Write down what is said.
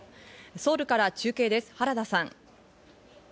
ソウルから中継です、原田さん。